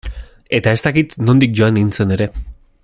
Eta ez dakit nondik joan nintzen ere.